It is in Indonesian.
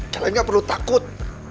kalian gak perlu takut